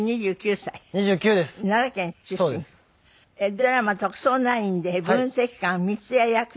ドラマ『特捜９』で分析官三ツ矢役で出演中。